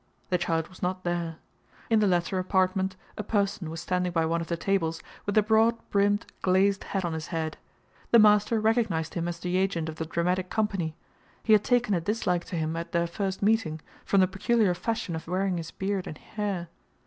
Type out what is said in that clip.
The child was not there. In the latter apartment a person was standing by one of the tables with a broad brimmed glazed hat on his head. The master recognized him as the agent of the dramatic company; he had taken a dislike to him at their first meeting, from the peculiar fashion of wearing his beard and hair.